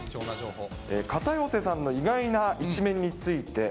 片寄さんの意外な一面について。